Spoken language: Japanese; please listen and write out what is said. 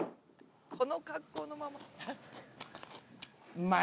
この格好のまま。